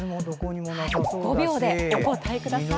５秒でお答えください！